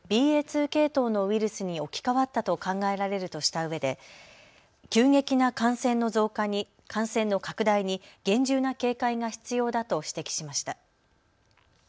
２系統のウイルスに置き換わったと考えられるとしたうえで急激な感染の拡大に厳重な警戒が必要だと指摘しました。